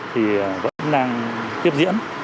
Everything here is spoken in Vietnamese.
thì vẫn đang tiếp diễn